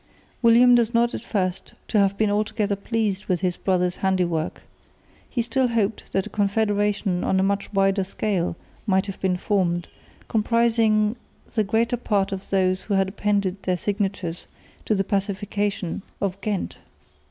William does not seem at first to have been altogether pleased with his brother's handiwork. He still hoped that a confederation on a much wider scale might have been formed, comprising the greater part of those who had appended their signatures to the Pacification of Ghent.